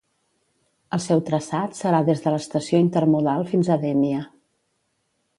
El seu traçat serà des de l'Estació Intermodal fins a Dénia.